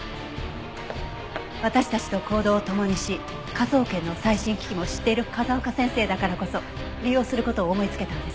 私たちと行動を共にし科捜研の最新機器も知っている風丘先生だからこそ利用する事を思いつけたんです。